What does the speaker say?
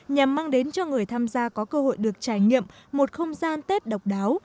nhằm mang đến cho người tham gia có cơ hội được trải nghiệm một không gian tết độc đáo